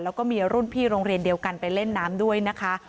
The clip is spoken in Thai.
แล้วก็มีรุ่นพี่โรงเรียนเดียวกันไปเล่นน้ำด้วยนะคะ